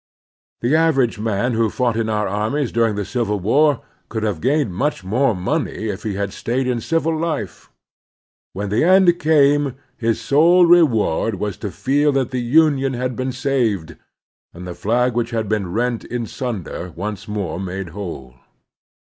The average man who fought in our armies during the Civil War could have gained much more money if he had stayed in civil life. When the end came his sole reward was to feel that the Union had been saved, and the flag which had been rent in sunder once more made whole.